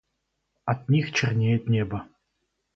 От них чернеет небо.